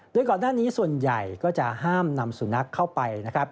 โดยก่อนหน้านี้ส่วนใหญ่ก็จะห้ามนำสุนัขเข้าไปนะครับ